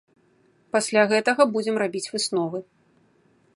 Пасля гэта будзем рабіць высновы.